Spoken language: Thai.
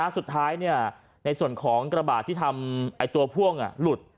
สุดท้ายในส่วนของกระบะที่ทำไอ้ตัวพ่วงหลุด